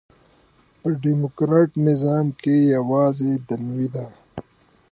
په ډيموکراټ نظام کښي یوازي دنیوي ده.